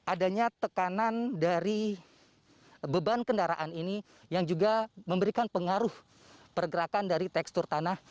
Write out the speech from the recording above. adanya tekanan dari beban kendaraan ini yang juga memberikan pengaruh pergerakan dari tekstur tanah